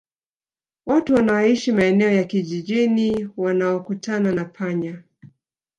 Watu wanaoishi maeneo ya kijijini wanaokutana na panya